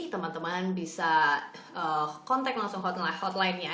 teman teman bisa kontak langsung hotline nya